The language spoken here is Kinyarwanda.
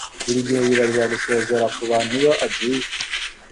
Buri gihe yibagirwa gusezera kubantu iyo bagiye